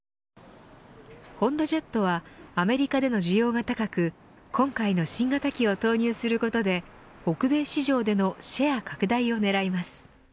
ホンダジェットはアメリカでの需要が高く今回の新型機を投入することで北米市場でのシェア拡大を狙います。